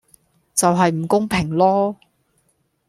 就係唔公平囉